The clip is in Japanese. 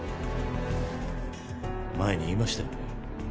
前に言いましたよね。